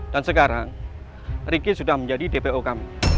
dan sekarang riki sudah menjadi dpo kami